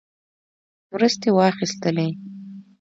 مرستې واخیستلې.